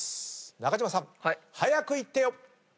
中島さん早くイッてよ！